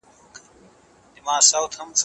سم نیت کار نه دروي.